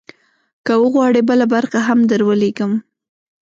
که وغواړې، بله برخه هم درولیږم.